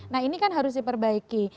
nah ini kan harus diperbaiki